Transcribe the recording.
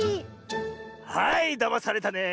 はいだまされたね。